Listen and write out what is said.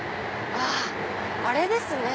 あっあれですね